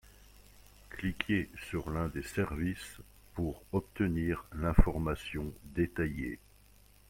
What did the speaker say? Cliquez sur l’un des services pour obtenir l’information détaillée.